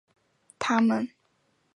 他们不会救灾